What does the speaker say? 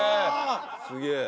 すげえ。